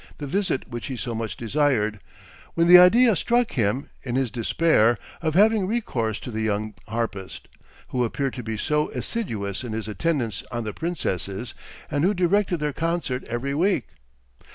the visit which he so much desired, when the idea struck him, in his despair, of having recourse to the young harpist, who appeared to be so assiduous in his attendance on the princesses, and who directed their concert every week.